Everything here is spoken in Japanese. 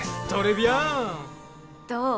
どう？